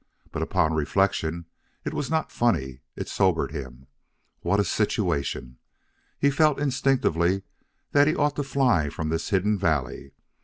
But upon reflection it was not funny; it sobered him. What a situation! He felt instinctively that he ought to fly from this hidden valley.